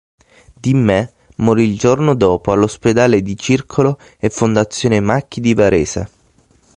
D'Immè morì il giorno dopo all'Ospedale di Circolo e Fondazione Macchi di Varese.